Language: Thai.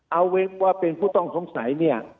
เอาเว็บว่าเป็นผู้ต้องสงสัยเนี่ย